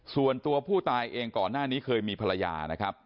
ส่วนตัวผู้ตายเองก่อนหน้านี้เคยมีภรรยานะครับ